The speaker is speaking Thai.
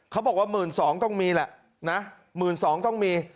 เขาบอกว่า๑๒๐๐ต้องมีแหละนะ๑๒๐๐ต้องมี